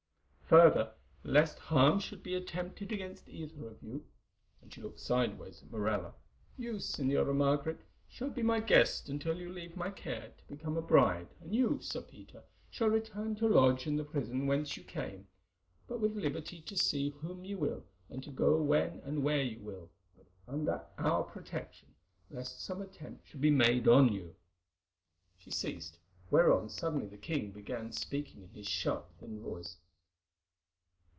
Further, lest harm should be attempted against either of you," and she looked sideways at Morella, "you, Señora Margaret, shall be my guest until you leave my care to become a bride, and you, Sir Peter, shall return to lodge in the prison whence you came, but with liberty to see whom you will, and to go when and where you will, but under our protection, lest some attempt should be made on you." She ceased, whereon suddenly the king began speaking in his sharp, thin voice.